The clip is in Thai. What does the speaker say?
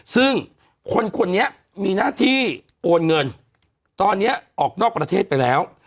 ซึ่งคนคนนี้มีหน้าที่โอนเงินตอนนี้ออกนอกประเทศไปแล้ว